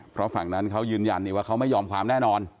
เพราะฝั่งนั้นเขายืนยันว่าเขาไม่ยอมความแน่นอน